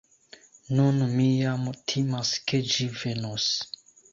Nun mi jam timas ke ĝi venos.